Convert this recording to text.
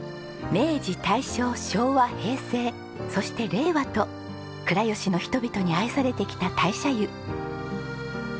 明治大正昭和平成そして令和と倉吉の人々に愛されてきた大社湯。